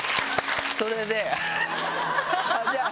それでじゃあ